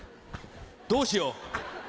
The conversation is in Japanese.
どうしよう。